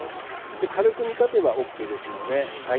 軽く煮立てばＯＫですのではい。